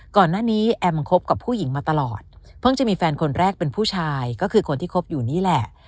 ก่อนหน้านี้แอมคบกับผู้หญิงมาตลอดเพิ่งจะมีแฟนคนแรกเป็นผู้ชายก็คือคนที่คบอยู่นี่แหละ